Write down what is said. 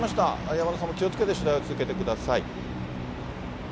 山田さんも気をつけて取材を続けてください。